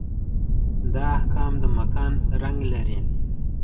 دا احکام د مکان رنګ لري.